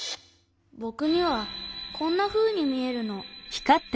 ぼくにはこんなふうにみえるの。